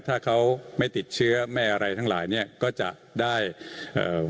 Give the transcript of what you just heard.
ถ้าเขาไม่ติดเชื้อไม่อะไรทั้งหลายเนี้ยก็จะได้เอ่อ